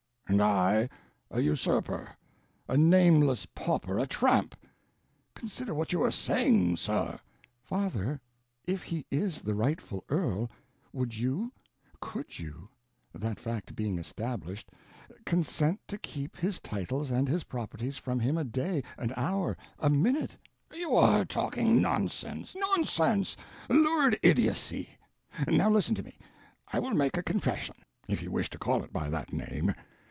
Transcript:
"And I a usurper—a—nameless pauper, a tramp! Consider what you are saying, sir." "Father, if he is the rightful earl, would you, could you—that fact being established—consent to keep his titles and his properties from him a day, an hour, a minute?" "You are talking nonsense—nonsense—lurid idiocy! Now, listen to me. I will make a confession—if you wish to call it by that name.